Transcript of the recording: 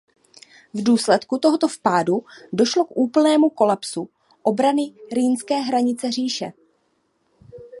V důsledku tohoto vpádu došlo k úplnému kolapsu obrany rýnské hranice říše.